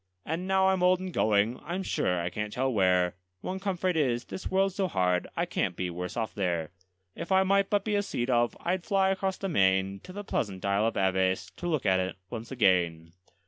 And now I'm old and going I'm sure I can't tell where; One comfort is, this world's so hard, I can't be worse off there: If I might but be a sea dove, I'd fly across the main, To the pleasant Isle of Aves, to look at it once again.